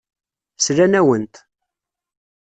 Slan-awent.